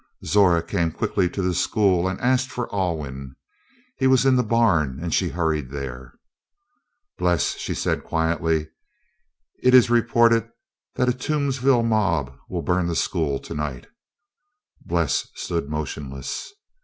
Zora came quickly to the school and asked for Alwyn. He was in the barn and she hurried there. "Bles," she said quietly, "it is reported that a Toomsville mob will burn the school tonight." Bles stood motionless.